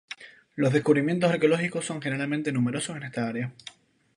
Los descubrimientos arqueológicos son generalmente numerosos en esta área.